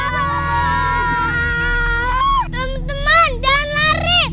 teman teman jangan lari